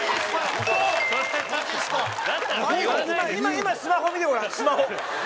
今スマホ見てごらんスマホ。